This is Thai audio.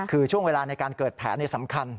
คือช่วงเวลาในการเกิดแผลสำคัญ